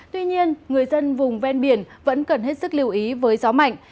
tuy nhiên người dân vùng ven biển vẫn cần hết sức lưu ý với gió mạnh